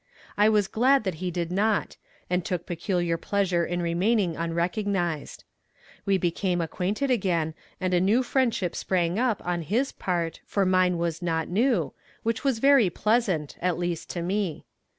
I was glad that he did not, and took peculiar pleasure in remaining unrecognized. We became acquainted again, and a new friendship sprang up, on his part, for mine was not new, which was very pleasant, at least to me.